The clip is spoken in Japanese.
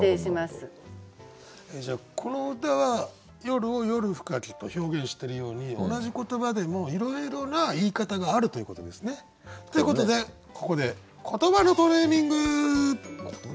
この歌は「夜」を「夜深き」と表現してるように同じ言葉でもいろいろな言い方があるということですね。ということでここで言葉のトレーニング！